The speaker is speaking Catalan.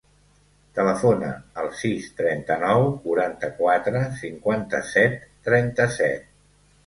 Telefona al sis, trenta-nou, quaranta-quatre, cinquanta-set, trenta-set.